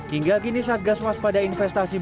hingga kini satgas waspada investasi